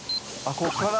ここから？